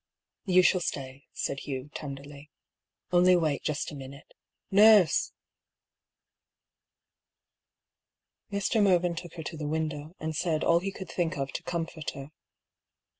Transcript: " You shall stay," said Hugh, tenderly ;" only wait just a minute. Nurse !" Mr. Mervyn took her to the window, and said all he could think of to comfort her.